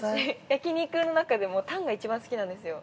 ◆焼き肉の中でもタンが一番好きなんですよ。